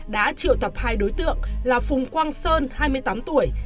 đã triệu tập hai đối tượng là phùng quang sơn hai mươi tám tuổi